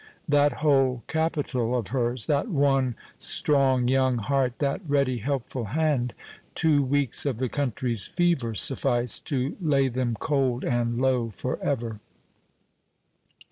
that whole capital of hers that one strong, young heart, that ready, helpful hand two weeks of the country's fever sufficed to lay them cold and low forever.